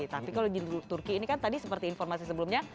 tapi kalau di turki ini kan tadi seperti informasi sebelumnya